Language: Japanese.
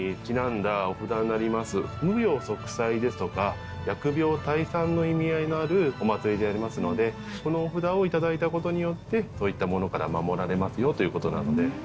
無病息災ですとか疫病退散の意味合いのあるお祭りでありますのでこのお札を頂いたことによってそういったものから守られますよということなので。